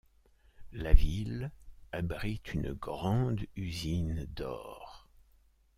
La ville abrite une grande usine d'or.